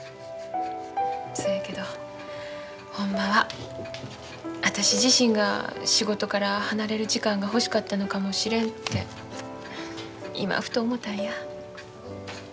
そやけどほんまは私自身が仕事から離れる時間が欲しかったのかもしれんて今ふと思たんや。